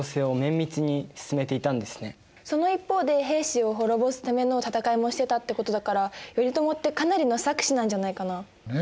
その一方で平氏を滅ぼすための戦いもしてたってことだから頼朝ってかなりの策士なんじゃないかな？ね。